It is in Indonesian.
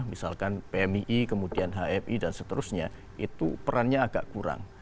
misalkan pmii kemudian hmi dan seterusnya itu perannya agak kurang